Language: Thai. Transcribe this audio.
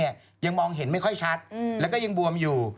ยังมองเห็นไม่ค่อยชัดแล้วก็ยังบวมอยู่